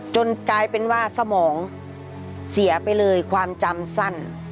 จนกลายเป็นว่าสมองเสียไปเลยความจำสั้น